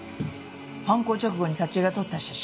犯行直後に佐知恵が撮った写真？